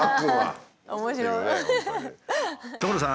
・所さん！